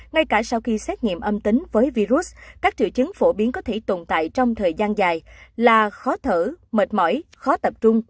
ngay cả sau khi xét nghiệm âm tính với virus các triệu chứng phổ biến có thể tồn tại trong thời gian dài là khó thở mệt mỏi khó tập trung